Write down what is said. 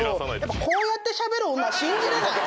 こうやってしゃべる女は信じれない。